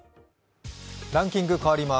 ランキング変わります。